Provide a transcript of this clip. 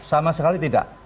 sama sekali tidak